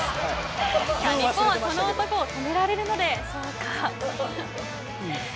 日本は、この男を止められるのでしょうか。